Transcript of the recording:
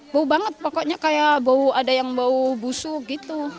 bau banget pokoknya kayak bau ada yang bau busuk gitu